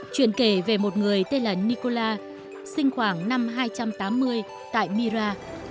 chuyện kể về một người tên là nikola sinh khoảng năm hai trăm tám mươi tại myra